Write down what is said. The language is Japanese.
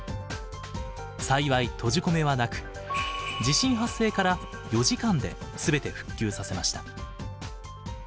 幸い「閉じ込め」はなく地震発生から４時間で全て復旧させました。